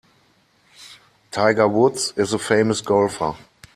Tiger Woods is a famous golfer.